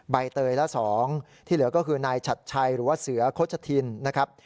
ใบเตยและ๒ที่เหลือก็คือนายชัดชัยหรือว่าเสือโฆษทินนะครับ